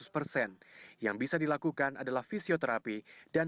agak sedikit kesal bahwa dia tak tahu rules atau throws kalau tidurnya begitu sedekat